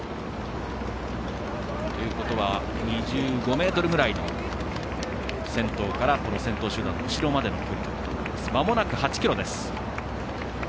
ということは２５ｍぐらいの先頭からこの先頭集団の後ろまでの距離ということになります。